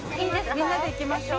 みんなで行きましょう。